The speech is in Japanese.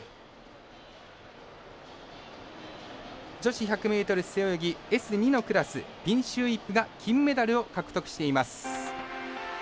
女子１００ｍ背泳ぎＳ２のクラスピンシュー・イップが金メダルを獲得しています。